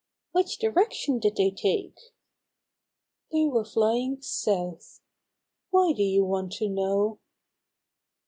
'' "Which direction did they take?" "They were flying south. Why do you want to know?"